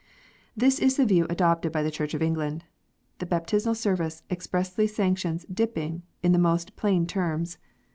This is the view adopted by the Church of England. The Baptismal Service expressly sanctions "dipping" in the most plain terms.